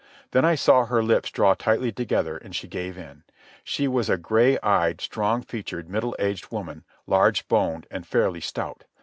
Then I saw her lips draw tightly together, and she gave in. She was a gray eyed, strong featured, middle aged woman, large boned and fairly stout.